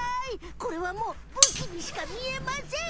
これはもうぶきにしか見えません！